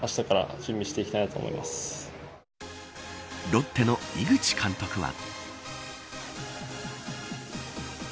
ロッテの井口監督は。